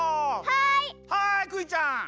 はいクイちゃん！